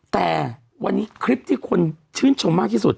แต่วันนี้คลิปที่คนชื่นชมมากที่สุด